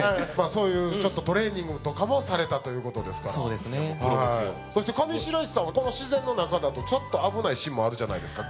そういうちょっとトレーニングとかもされたということですからそして上白石さんはこの自然の中だとちょっと危ないシーンもあるじゃないですか